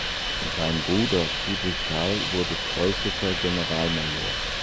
Sein Bruder Friedrich Karl wurde preußischer Generalmajor.